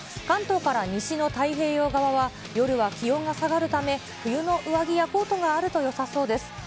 関東から西の太平洋側は、夜は気温が下がるため、冬の上着やコートがあるとよさそうです。